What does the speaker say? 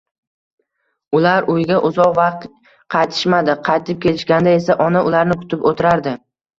Ular uyga uzoq vaqt qaytishmadi; qaytib kelishganda esa ona ularni kutib o`tirardi